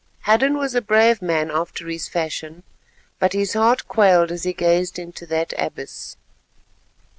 Hadden was a brave man after his fashion, but his heart quailed as he gazed into that abyss.